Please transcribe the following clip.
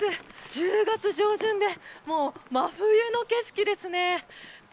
１０月上旬でもう真冬の景色ですね。